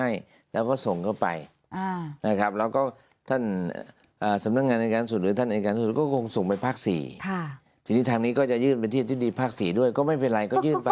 ยื่นกันไปยื่นกันมา